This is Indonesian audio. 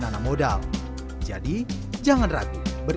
bahkan di sisi sumber